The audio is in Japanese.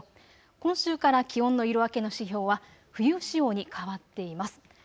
今週から気温の色分けの指標は冬仕様に変わっています。